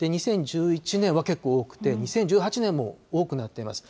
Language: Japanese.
２０１１年はけっこう多くて、２０１８年も多くなっています。